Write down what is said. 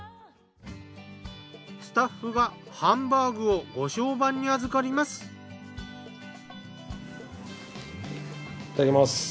スタッフがハンバーグをいただきます。